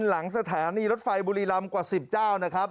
หลังสถานีรถไฟบุรีรำกว่า๑๐เจ้านะครับ